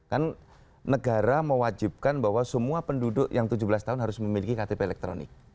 kan negara mewajibkan bahwa semua penduduk yang tujuh belas tahun harus memiliki ktp elektronik